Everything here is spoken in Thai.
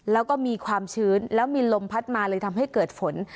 แล้วก็มีความชื้นแล้วมีลมพัดมาเลยทำให้เกิดฝน